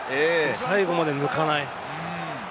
最後まで抜かない。